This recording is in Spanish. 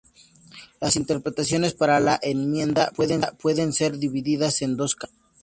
Las interpretaciones para la enmienda pueden ser divididas en dos campos.